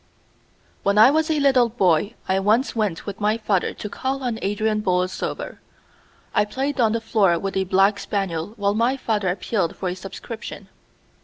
When I was a little boy I once went with my father to call on Adrian Borlsover. I played on the floor with a black spaniel while my father appealed for a subscription.